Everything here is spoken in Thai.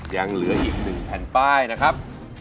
ยังเหลืออีก๑แผ่นป้ายนะครับ